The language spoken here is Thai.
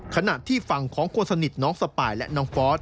ขณะที่ฝั่งของคนสนิทน้องสปายและน้องฟอส